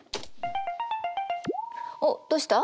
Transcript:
おっどうした？